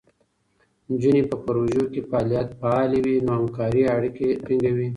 نجونې په پروژو کې فعالې وي، نو همکارۍ اړیکې ټینګېږي.